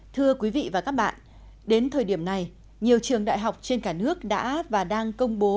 thưa quý vị và các bạn đến thời điểm này nhiều trường đại học trên cả nước đã và đang công bố